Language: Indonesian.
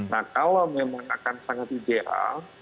nah kalau memang akan sangat ideal